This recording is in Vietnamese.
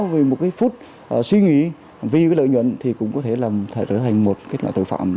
vì một phút suy nghĩ vì lợi nhuận thì cũng có thể là một loại tội phạm